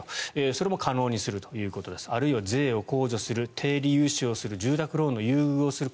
それも可能にするということですあるいは税を控除する低利融資をする住宅ローンの優遇をする